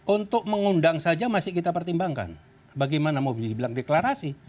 untuk mengundang saja masih kita pertimbangkan bagaimana mau dibilang deklarasi